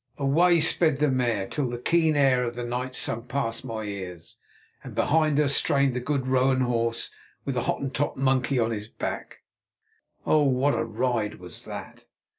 Away sped the mare till the keen air of the night sung past my ears, and behind her strained the good roan horse with the Hottentot monkey on its back. Oh! what a ride was that!